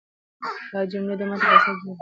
دا جملې د متن پر اساس جوړي سوي دي.